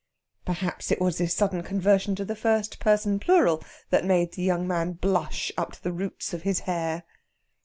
Perhaps it was this sudden conversion to the first person plural that made the young man blush up to the roots of his hair.